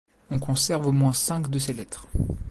On conserve au moins cinq de ses lettres.